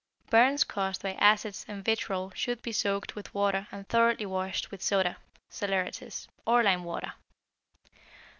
Burns caused by acids and vitrol should be soaked with water and thoroughly washed with soda (saleratus) or lime water.